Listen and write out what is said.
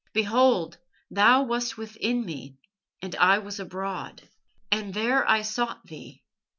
"Behold Thou wast within me, and I was abroad, and there I sought Thee.